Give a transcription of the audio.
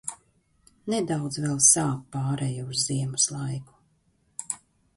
Nedaudz vēl sāp pāreja uz ziemas laiku.